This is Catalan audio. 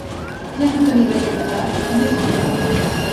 Ja no tenim aquella edat, i és diferent.